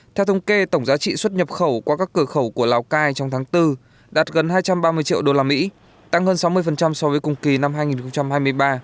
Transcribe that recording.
theo thông kê tổng giá trị xuất nhập khẩu qua các cửa khẩu của lào cai trong tháng bốn đạt gần hai trăm ba mươi triệu usd tăng hơn sáu mươi so với cùng kỳ năm hai nghìn hai mươi ba